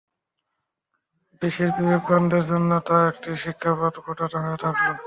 বিশ্বের বিবেকবানদের জন্যে তা একটি শিক্ষাপ্রদ ঘটনা হয়ে থাকল।